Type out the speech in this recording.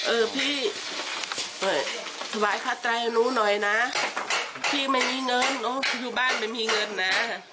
เออพี่สบายค่าใจให้หนูหน่อยนะพี่ไม่มีเงินอยู่บ้านไม่มีเงินนะ